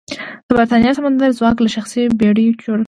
د برېتانیا سمندري ځواک له شخصي بېړیو جوړه وه.